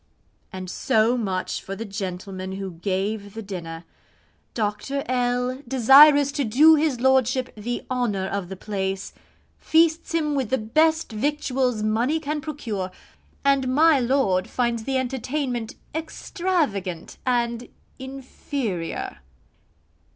And so much for the gentleman who gave the dinner. Dr. L , desirous to do his lordship 'the honour of the place,' feasts him with the best victuals money can procure and my lord finds the entertainment extravagant and inferior.